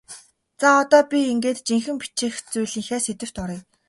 За одоо би ингээд жинхэнэ бичих зүйлийнхээ сэдэвт оръё.